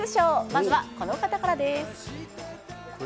まずは、この方からです。